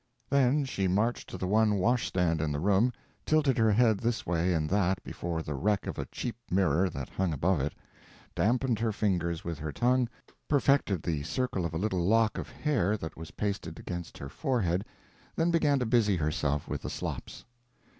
p109.jpg (23K) Then she marched to the one washstand in the room, tilted her head this way and that before the wreck of a cheap mirror that hung above it, dampened her fingers with her tongue, perfected the circle of a little lock of hair that was pasted against her forehead, then began to busy herself with the slops.